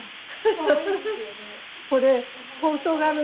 かわいいですよね。